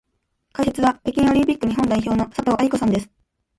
解説は北京オリンピック日本代表の佐藤愛子さんです。